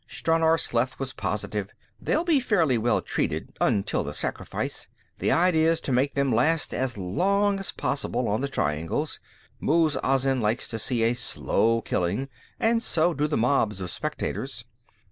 Stranor Sleth was positive. "They'll be fairly well treated, until the sacrifice. The idea's to make them last as long as possible on the triangles; Muz Azin likes to see a slow killing, and so does the mob of spectators."